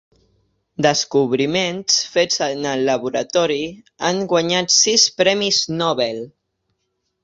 Descobriments fets en el laboratori han guanyat sis Premis Nobel.